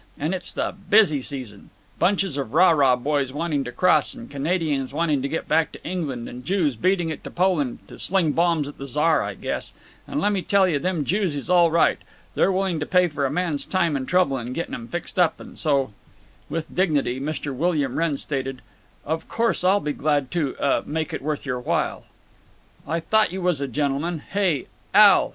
And it's the busy season. Bunches of rah rah boys wanting to cross, and Canadians wanting to get back to England, and Jews beating it to Poland—to sling bombs at the Czar, I guess. And lemme tell you, them Jews is all right. They're willing to pay for a man's time and trouble in getting 'em fixed up, and so—" With dignity Mr. William Wrenn stated, "Of course I'll be glad to—uh—make it worth your while." "I thought you was a gentleman. Hey, Al!